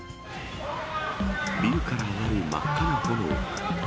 ビルから上がる真っ赤な炎。